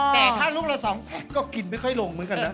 แต่ถ้าลูกละ๒แสนก็กินไม่ค่อยลงเหมือนกันนะ